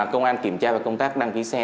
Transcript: công an kiểm tra và công tác đăng ký xe